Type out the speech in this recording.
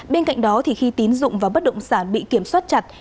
bên cạnh đó khi tín dụng và bất động sản bị kiểm soát chặt